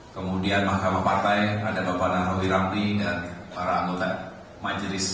kemudian mahkamah partai ada bapak narwi ramli dan para anggota majelis